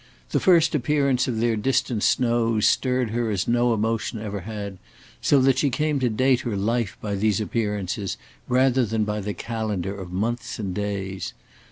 The first appearance of their distant snows stirred her as no emotion ever had, so that she came to date her life by these appearances rather than by the calendar of months and days.